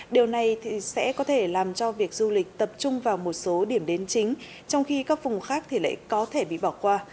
điều này sẽ có thể làm cho việc du lịch tập trung vào một số điểm đến chính trong khi các vùng khác thì lại có thể bị bỏ qua